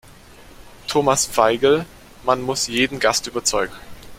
Thomas Veigel: "Man muß jeden Gast überzeugen".